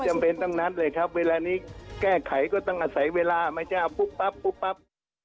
ไม่จำเป็นต้องนัดเลยครับเวลานี้แก้ไขก็ต้องอาศัยเวลานะจ๊ะปุ๊บปับปุ๊บปับ